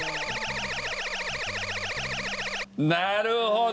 なるほど！